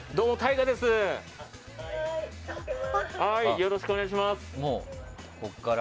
よろしくお願いします！